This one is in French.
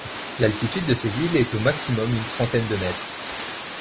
L'altitude de ses îles est au maximum une trentaine de mètres.